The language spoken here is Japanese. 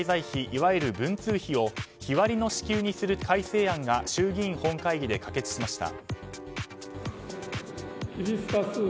いわゆる文通費を日割りの支給にする改正案が衆議院本会議で可決されました。